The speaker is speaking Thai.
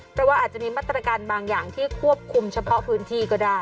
เพราะว่าอาจจะมีมาตรการบางอย่างที่ควบคุมเฉพาะพื้นที่ก็ได้